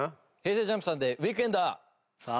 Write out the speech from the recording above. ＪＵＭＰさんで『ウィークエンダー』。